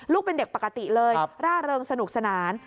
เป็นเด็กปกติเลยร่าเริงสนุกสนาน